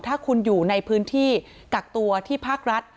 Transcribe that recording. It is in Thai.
ถ้าคุณอยู่ในพื้นที่กักตัวที่ภาครัฐ